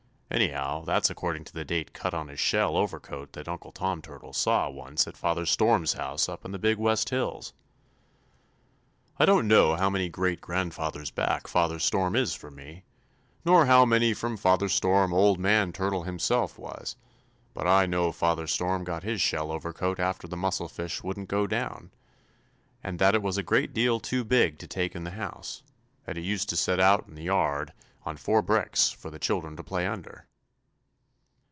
Anyhow, that's according to the date cut on his shell overcoat that Uncle Tom Turtle saw once at Father Storm's house up in the Big West Hills. "'I don't know how many great grandfathers back Father Storm is from me, nor how many from Father Storm Old Man Turtle Himself was, but I know Father Storm got his shell overcoat after the mussel fish wouldn't go down, and that it was a great deal too big to take in the house, and it used to set out in the yard on four bricks, for the children to play under.